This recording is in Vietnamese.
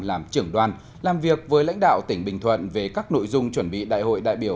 làm trưởng đoàn làm việc với lãnh đạo tỉnh bình thuận về các nội dung chuẩn bị đại hội đại biểu